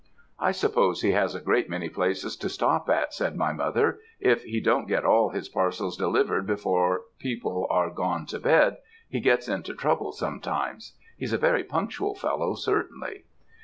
"'I suppose he has a great many places to stop at,' said my mother; 'if he don't get all his parcels delivered before people are gone to bed, he gets into trouble sometimes. He's a very punctual fellow certainly.'